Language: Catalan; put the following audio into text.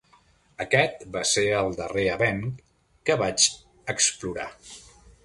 Aquest va ser el darrer avenc que vaig explorar.